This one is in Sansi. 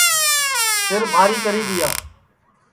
سِربھاری کری دؔیا